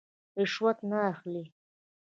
رشوت نه اخلي.